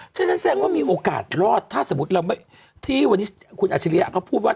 ฉะนั้นแสดงว่ามีโอกาสรอดถ้าสมมุติเราที่วันนี้คุณอาชิริยะเขาพูดว่า